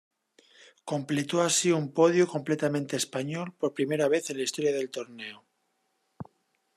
Completó así un podio completamente español por primera vez en la historia del torneo.